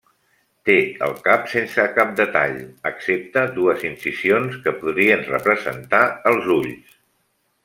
Té el cap sense cap detall, excepte dues incisions que podrien representar els ulls.